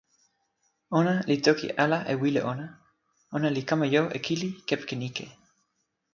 ona li toki ala e wile ona. ona li kama jo e kili kepeken ike!